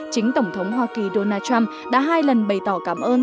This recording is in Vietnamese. chính tổng thống hoa kỳ donald trump đã hai lần bày tỏ cảm ơn